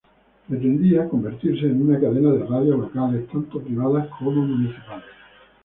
Pretendía convertirse en una cadena de radios locales, tanto privadas como municipales.